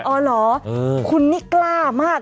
อ๋อเหรอคุณนี่กล้ามาก